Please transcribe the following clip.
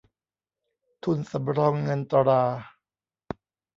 ทุนสำรองเงินตรา